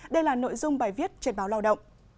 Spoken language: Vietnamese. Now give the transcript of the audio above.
đây là nội dung bài viết trên báo lao động